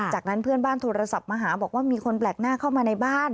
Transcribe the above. จากนั้นเพื่อนบ้านโทรศัพท์มาหาบอกว่ามีคนแปลกหน้าเข้ามาในบ้าน